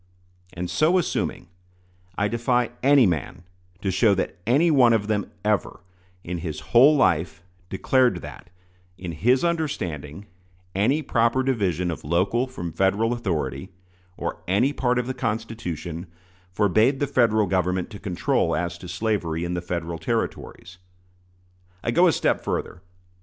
And so assuming, I defy any man to show that any one of them ever, in his whole life, declared that, in his understanding, any proper division of local from Federal authority, or any part of the Constitution, forbade the Federal Government to control as to slavery in the Federal Territories. I go a step further.